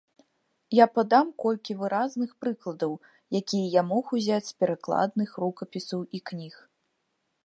Я падам колькі выразных прыкладаў, якія я мог узяць з перакладных рукапісаў і кніг.